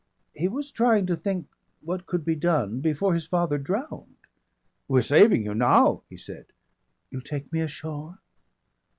He was trying to think what could be done before his father drowned. "We're saving you now," he said. "You'll take me ashore?"